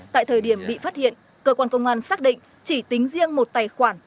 tại thời điểm bị phát hiện cơ quan công an xác định chỉ tính riêng một tài khoản